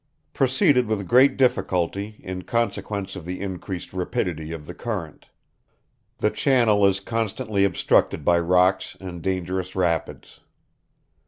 Proceeded with great difficulty, in consequence of the increased rapidity of the current. The channel is constantly obstructed by rocks and dangerous rapids.